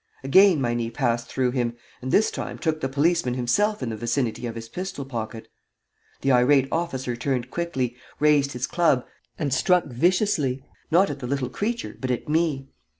Again my knee passed through him, and this time took the policeman himself in the vicinity of his pistol pocket. The irate officer turned quickly, raised his club, and struck viciously, not at the little creature, but at me.